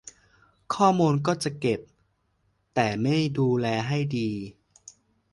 ข้อมูลก็จะเก็บ แต่ไม่ดูแลให้ดี